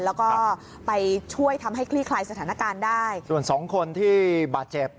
แล้วก็ไปช่วยทำให้คลี่คลายสถานการณ์ได้ส่วนสองคนที่บาดเจ็บ